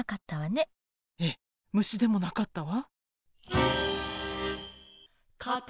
ええ虫でもなかったわ。